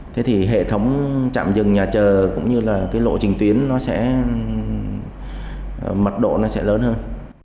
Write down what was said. thế thì hệ thống trạm rừng nhà trờ cũng như là lộ trình tuyến nó sẽ mật độ nó sẽ lớn hơn